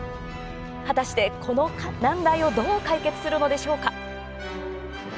果たして、この難題をどう解決するのでしょうか？